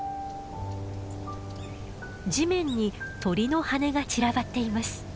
地面に鳥の羽根が散らばっています。